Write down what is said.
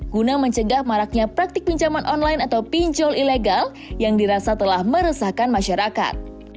guna mencegah maraknya praktik pinjaman online atau pinjol ilegal yang dirasa telah meresahkan masyarakat